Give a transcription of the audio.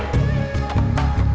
liat dong liat